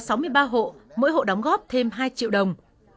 sáu mươi ba hộ mỗi hộ đóng góp thêm hai triệu đồng